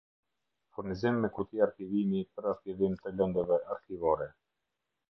Furnizim me kuti arkivimi per arkivim te lendeve arkivore